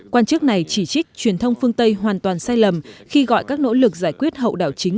quan chức này chỉ trích truyền thông phương tây hoàn toàn sai lầm khi gọi các nỗ lực giải quyết hậu đảo chính